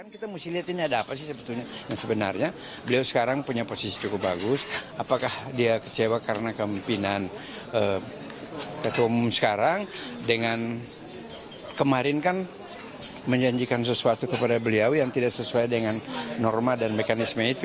karena kepemimpinan ketua umum sekarang dengan kemarin kan menjanjikan sesuatu kepada beliau yang tidak sesuai dengan norma dan mekanisme itu